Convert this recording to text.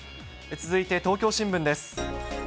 続いて東京新聞です。